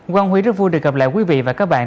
quang huy rất vui được gặp lại quý vị và các bạn